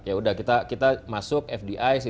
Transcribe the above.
ya sudah kita masuk fdi